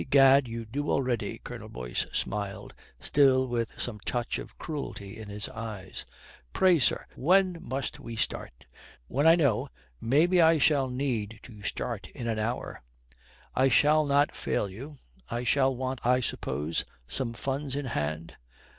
"Egad, you do already," Colonel Boyce smiled, still with some touch of cruelty in his eyes. "Pray, sir, when must we start?" "When I know, maybe I shall need to start in an hour." "I shall not fail you. I shall want, I suppose, some funds in hand?"